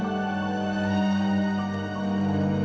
mama gak mau berhenti